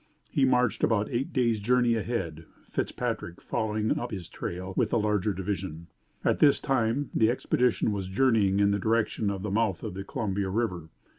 He marched about eight days' journey ahead, Fitzpatrick following up his trail with the larger division. At this time the expedition was journeying in the direction of the mouth of the Columbia River.